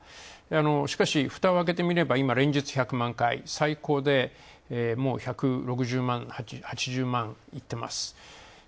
しかし、ふたを開けてみれば、連日１００万回、最高で１６０万、１８０万、いっています。